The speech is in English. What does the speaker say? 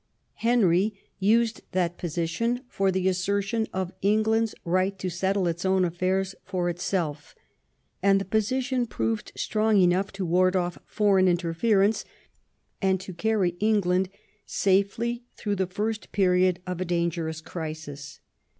Henry used that position for the assertion of England's right to settle its own affairs for itself; and the position proved strong enough to ward off foreign interference, and to carry England safely through the first period of a dangerous crisis.